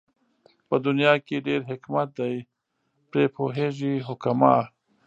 په دنيا کې ډېر حکمت دئ پرې پوهېږي حُکَما